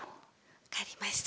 分かりました。